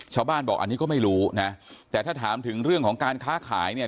ชาวบ้านบอกอันนี้ก็ไม่รู้นะแต่ถ้าถามถึงเรื่องของการค้าขายเนี่ย